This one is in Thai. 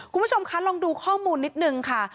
คุณผู้ชมคะลองดูข้อมูลนิดนึงค่ะ